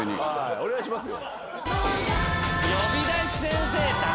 お願いしますよ。